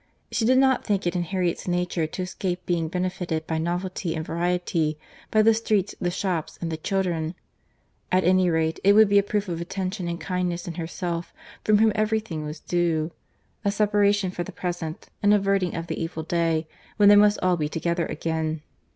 —She did not think it in Harriet's nature to escape being benefited by novelty and variety, by the streets, the shops, and the children.—At any rate, it would be a proof of attention and kindness in herself, from whom every thing was due; a separation for the present; an averting of the evil day, when they must all be together again.